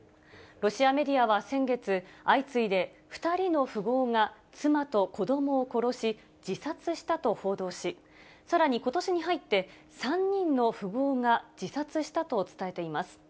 ロシアメディアは先月、相次いで、２人の富豪が妻と子どもを殺し、自殺したと報道し、さらに、ことしに入って、３人の富豪が自殺したと伝えています。